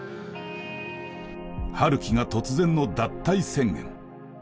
陽樹が突然の脱退宣言。